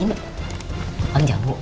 ini bang jago